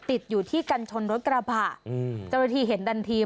ติดอยู่ที่กันชนรถกระบะเจ้ารถีเห็นบรรจิที่